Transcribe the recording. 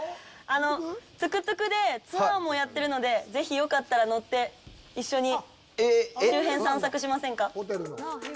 トゥクトゥクでツアーもやってるのでぜひ、よかったら乗って一緒に周辺散策しませんか？